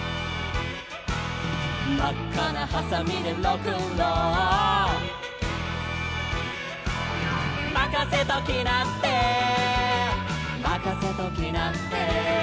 「まっかなはさみでロックンロール」「まかせときなってまかせときなって」